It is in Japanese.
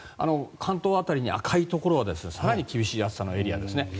関東辺りに赤いところは更に厳しい暑さのエリアです。